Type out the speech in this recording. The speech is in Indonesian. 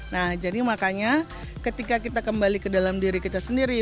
nah jadi makanya ketika kita kembali ke dalam diri kita sendiri